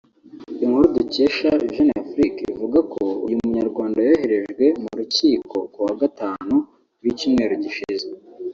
Inkuru dukesha Jeune Afrique ivuga ko uyu munyarwanda yoherejwe mu rukiko ku wa gatanu w’icyumweru gishize